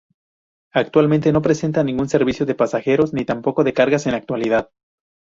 Actualmente, no presta ningún servicio de pasajeros ni tampoco de cargas, en la actualidad.